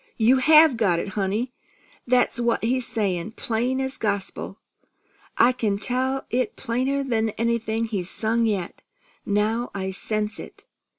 You have got it, honey! That's what he's saying, plain as gospel! I can tell it plainer'n anything he's sung yet, now I sense it."